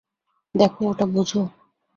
দেখো, এটা বোঝো।